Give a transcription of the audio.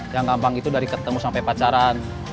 yang gampang itu dari ketemu sampai pacaran